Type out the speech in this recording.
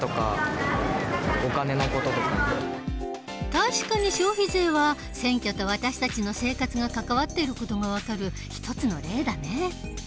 確かに消費税は選挙と私たちの生活が関わっている事が分かる一つの例だね。